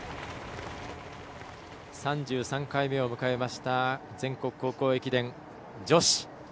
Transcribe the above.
３３回目を迎えました全国高校駅伝女子。